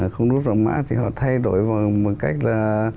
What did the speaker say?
không đốt vàng mã thì họ thay đổi vào một cách là